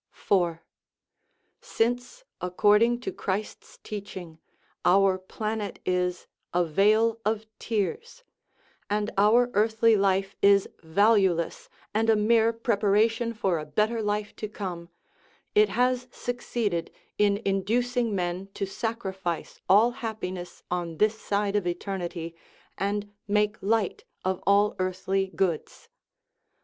IV. Since, according to Christ's teaching, our planet is " a vale of tears," and our earthly life is valueless and a mere preparation for a better life to come, it has succeeded in inducing men to sacrifice all happiness on this side of eternity and make light of all earthly goods.